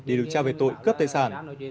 để được trao về tội cướp tài sản